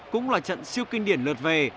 cũng là trận siêu kinh điển lượt về